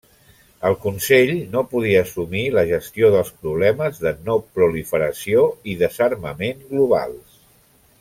El Consell no podia assumir la gestió dels problemes de no-proliferació i desarmament globals.